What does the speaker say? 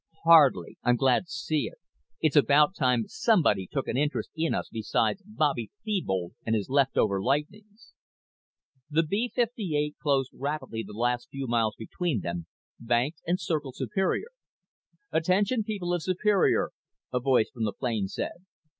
"Hardly. I'm glad to see it. It's about time somebody took an interest in us besides Bobby Thebold and his leftover Lightnings." The B 58 rapidly closed the last few miles between them, banked and circled Superior. "Attention people of Superior," a voice from the plane said.